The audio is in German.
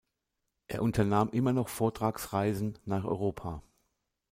Er unternahm immer noch Vortragsreisen nach Europa.